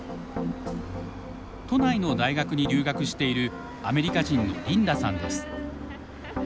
都内の大学に留学しているアメリカ人のリンダさんです。